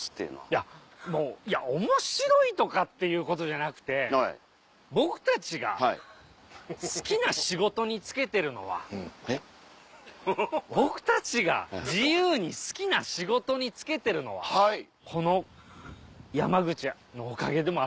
いやもういや面白いとかっていうことじゃなくて僕たちが好きな仕事に就けてるのは僕たちが自由に好きな仕事に就けてるのはこの山口のおかげでもあるんですよ。